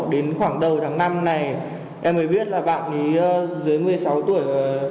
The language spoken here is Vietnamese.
đến khoảng đầu tháng năm này em mới biết là bạn ấy dưới một mươi sáu tuổi